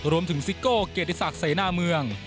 รวมถึงซิโก้เกรติศักดิ์เสน่าเมือง